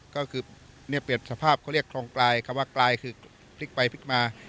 ก็คือเนี่ยเปรียบสภาพเขาเรียกคลองปลายคำว่าปลายคือพลิกไปพลิกมา